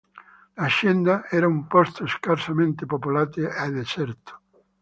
L'Hacienda era un posto scarsamente popolate e deserto.